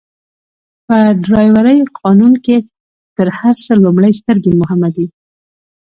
په ډرایورۍ قانون کي تر هر څه لومړئ سترګي مهمه دي.